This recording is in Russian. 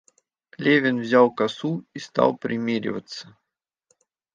Левин Взял косу и стал примериваться.